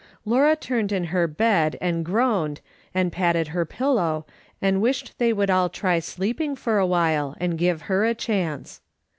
Laura turned in her bed and groaned, and patted her pillow, and wished they would all try sleeping for awhile, and give her a chance.